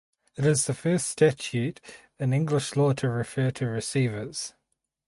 It is the first statute in English law to refer to receivers.